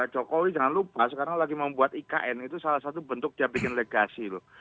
jokowi jangan lupa sekarang lagi membuat ikn itu salah satu bentuk dia bikin legasi loh